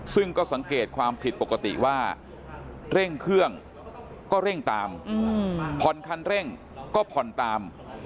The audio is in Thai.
ซึ่งก็สังเกตความผิดปกติว่าเร่งเครื่องก็เร่งตามผ่อนคันเร่งก็ผ่อนตาม